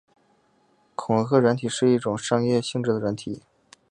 恐吓软体是一种商业性质的软体。